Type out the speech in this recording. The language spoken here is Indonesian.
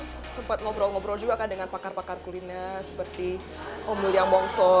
saya juga pernah berbicara dengan pakar kuliner seperti om nulian bongso